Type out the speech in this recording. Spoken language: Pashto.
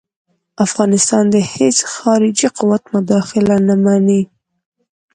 افغانستان کې د هیڅ خارجي قوت مداخله نه مني.